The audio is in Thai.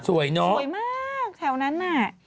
สวยเนอะสวยมากแถวนั้นน่ะ